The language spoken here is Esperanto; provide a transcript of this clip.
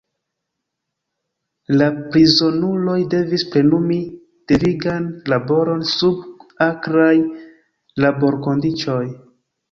La prizonuloj devis plenumi devigan laboron sub akraj laborkondiĉoj.